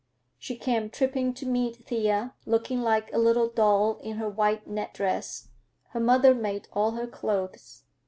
She came tripping to meet Thea, looking like a little doll in her white net dress—her mother made all her clothes.